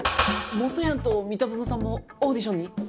もとやんと三田園さんもオーディションに？